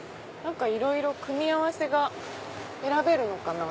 いろいろ組み合わせが選べるのかな？